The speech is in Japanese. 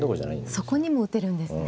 そこにも打てるんですね。